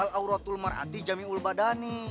alauratul mar'ati jami'ul badani